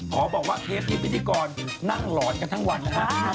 ขอบอกว่าเพสดีวิทยากรนั่งหลอนกันทั้งวันครับ